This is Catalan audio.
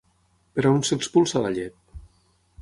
Per on s'expulsa la llet?